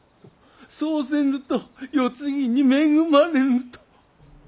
そうせぬと世継ぎに恵まれんと！